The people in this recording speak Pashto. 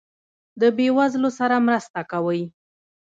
د بې وزلو سره مرسته کوئ؟